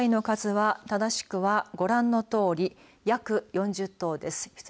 トナカイの数は正しくはご覧のとおり約４０頭です。